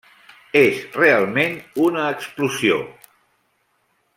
És realment una explosió!